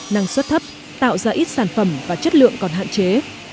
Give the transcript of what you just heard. năng suất thấp tạo ra ít sản phẩm và chất lượng còn hạn chế